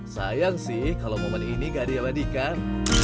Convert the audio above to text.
sayang sih kalau momen ini gak ada yang memadikan